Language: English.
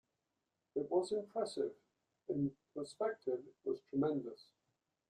It was impressive; in perspective it was tremendous.